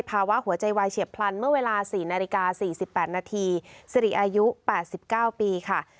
ภาวะหัวใจวายเฉียบพลันเมื่อเวลาสี่นาฬิกาสี่สิบแปดนาทีสิริอายุแปดสิบเก้าปีค่ะ